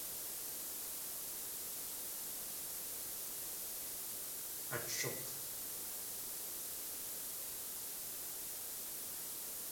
At shúk̲!